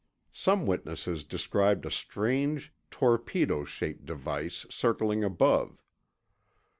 Some witnesses described a strange, torpedo shaped device circling above.